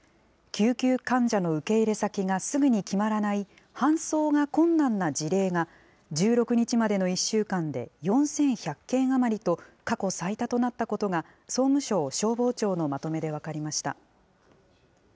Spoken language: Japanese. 救急患者の受け入れ先がすぐに決まらない搬送が困難な事例が、１６日までの１週間で４１００件余りと、過去最多となったことが、総務省消防庁のまとめで分かりました。